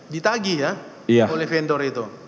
ditagi ya oleh vendor itu